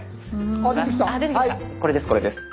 これですこれです。